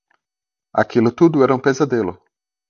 Aquilo tudo era um pesadelo